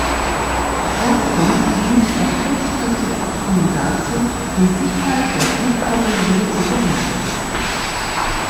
Erstens dient das kurzfristige Abkommen dazu, die Sicherheit der Flugpassagiere zu gewährleisten.